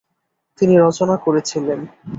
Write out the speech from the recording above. তিনি রচনা করেছিলেন ।